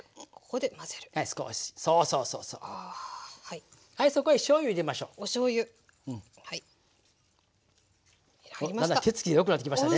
おだんだん手つきが良くなってきましたね。